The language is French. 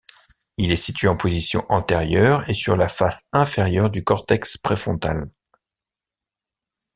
Il est situé en position antérieure et sur la face inférieure du cortex préfrontal.